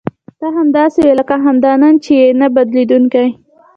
ته همداسې وې لکه همدا نن چې یې نه بدلېدونکې.